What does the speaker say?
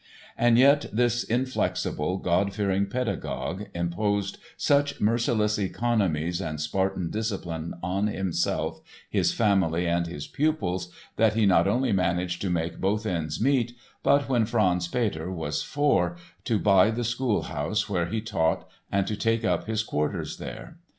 And yet this inflexible, God fearing pedagogue, imposed such merciless economies and Spartan discipline on himself, his family and his pupils that he not only managed to make both ends meet but, when Franz Peter was four, to buy the schoolhouse where he taught and to take up his quarters there.